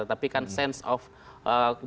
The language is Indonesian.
tapi kan sense of data